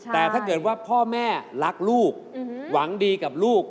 แต่ถ้าเกิดว่าพ่อแม่รักลูกหวังดีกับลูก